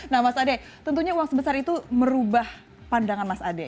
nah mas ade tentunya uang sebesar itu merubah pandangan mas ade